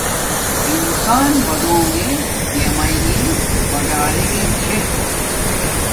انسان بڑونݣ پیامینݣے پرڑنݣے چھے